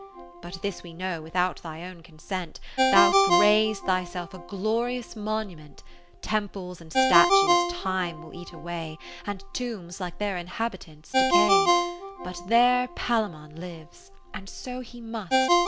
But this we know without thy own consent, Thou'st rais'd thyself a glorious monument : Temples and statues Time will eat away. And tombs (like their Inhabitants) decay ; But there Palaemon lives, and so he must.